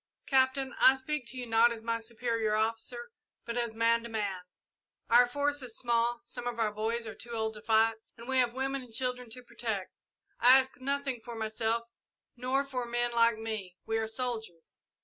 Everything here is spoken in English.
"Captain, I speak to you not as my superior officer, but as man to man. Our force is small, some of our boys are too old to fight, and we have women and children to protect. I ask nothing for myself, nor for men like me we are soldiers.